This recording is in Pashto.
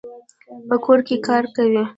په کور کي کار کوي.